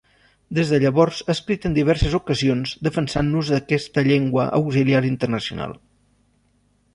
Des de llavors ha escrit en diverses ocasions defensant l'ús d'aquesta llengua auxiliar internacional.